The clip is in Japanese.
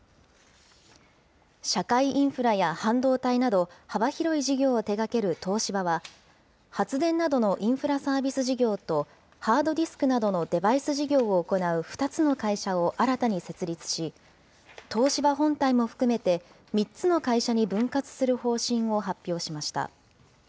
社会インフラや半導体など、幅広い事業を手がける東芝は、発電などのインフラサービス事業と、ハードディスクなどのデバイス事業を行う２つの会社を新たに設立し、東芝本体も含めて、３つの会社に分割する方針を発表しました。